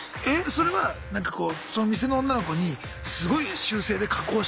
それはなんかこうその店の女の子にすごい修正で加工して。